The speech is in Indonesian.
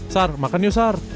sar makan yuk sar